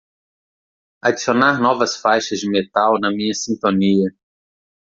adicionar novas faixas de metal na minha sintonia